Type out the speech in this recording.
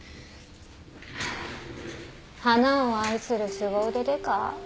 花を愛するすご腕デカ？